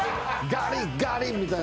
ガリッガリッみたいな。